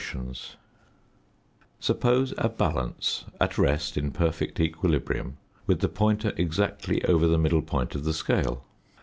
250 +++++ Suppose a balance at rest in perfect equilibrium, with the pointer exactly over the middle point of the scale.